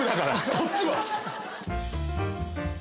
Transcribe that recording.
こっちは。